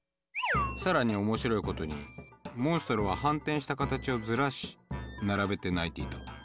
更に面白いことにモンストロは反転した形をずらし並べて鳴いていた。